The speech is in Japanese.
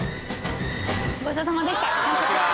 ごちそうさまでした完食。